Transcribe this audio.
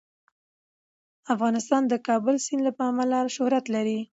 افغانستان د د کابل سیند له امله شهرت لري.